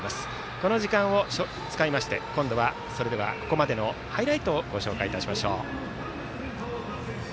この時間を使いまして今度はここまでのハイライトをご紹介しましょう。